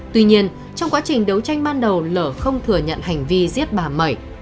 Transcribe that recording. tuy nhiên trong quá trình đấu tranh ban đầu lở không thừa nhận hành vi giết bà mậy